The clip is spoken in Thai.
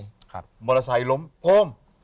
มอเตอร์ไซค์ล้มโครม